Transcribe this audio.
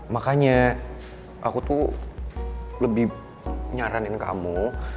makanya aku tuh lebih nyaranin kamu